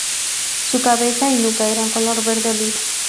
Su cabeza y nuca eran color verde oliva.